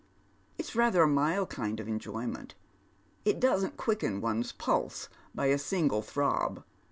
It's rather a mild kind of enjoyment. It doesn't quicken one's pulse by a single throb.